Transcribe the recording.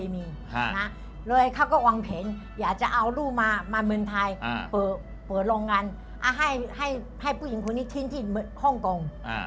ไม่เขาต้อง